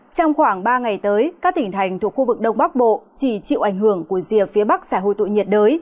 trong khoảng ba ngày tới các tỉnh thành thuộc khu vực đông bắc bộ chỉ chịu ảnh hưởng của rìa phía bắc giải hội tụ nhiệt đới